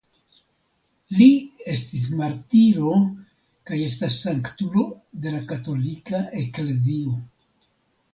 Li estis martiro kaj estas sanktulo de la Katolika Eklezio.